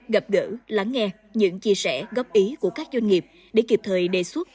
gặp gỡ lắng nghe những chia sẻ góp ý của các doanh nghiệp để kịp thời đề xuất